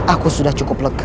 aku sudah cukup lulus abegara